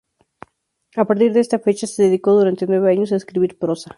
A partir de esta fecha se dedicó durante nueve años a escribir prosa.